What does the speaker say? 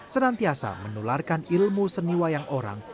senantiasa menularkan ilmu seni wayang orang